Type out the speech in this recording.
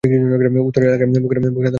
উত্তরের এলাকা বুখারা খানাতের নিয়ন্ত্রণে ছিল।